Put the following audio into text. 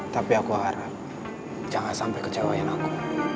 tapi aku harap jangan sampai kecewa yang aku